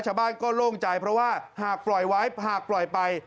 ชาวบ้านก็โล่งใจเพราะว่าหากปล่อยไว้หากปล่อยไป